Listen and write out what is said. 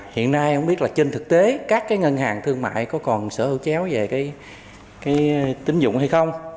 hiện nay không biết là trên thực tế các ngân hàng thương mại có còn sở hữu chéo về cái tín dụng hay không